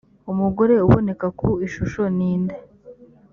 umugore uboneka ku ishusho ni nde?